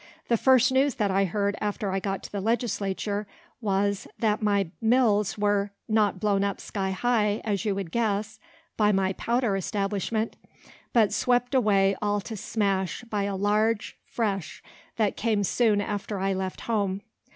The first news that I heard after I got to the Legislature, was, that my mills were not blown up sky high, as you would guess, by my powder establishment, but swept away all to smash by a large fresh, that came soon after I left home.